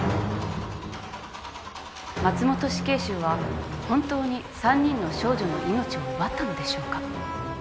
松本死刑囚は本当に３人の少女の命を奪ったのでしょうか。